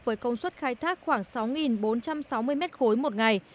với công suất khai thác khoảng sáu bốn trăm sáu mươi m ba một ngày